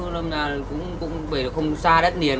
năm nay cũng phải không xa đất niền